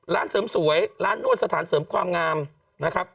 ร้านเสริมสวยร้านนวดสถานเสริมความงามนะครับ